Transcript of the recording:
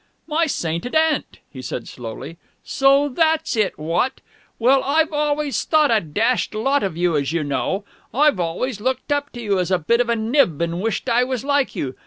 "My sainted aunt!" he said slowly. "So that's it, what? Well, I've always thought a dashed lot of you, as you know. I've always looked up to you as a bit of a nib and wished I was like you.